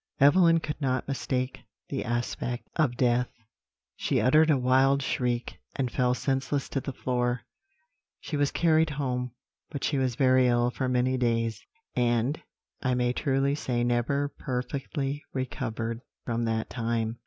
"Evelyn could not mistake the aspect of death; she uttered a wild shriek, and fell senseless to the floor. She was carried home, but she was very ill for many days; and I may truly say never perfectly recovered from that time.